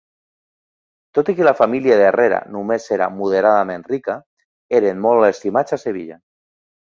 Tot i que la família d'Herrera només era moderadament rica, eren molt estimats a Sevilla.